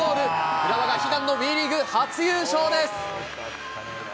浦和が悲願のＷＥリーグ初優勝です。